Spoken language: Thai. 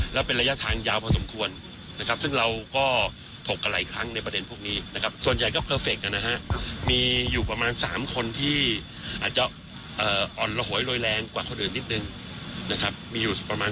และเป็นระยะทางยาวพอสมควรนะครับซึ่งเราก็ถกกันหลายครั้งในประเด็นพวกนี้